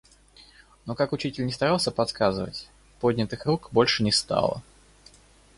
Но как учитель не старался подсказывать, поднятых рук больше не стало.